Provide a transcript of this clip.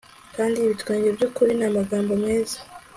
kandi ibitwenge byukuri n'amagambo meza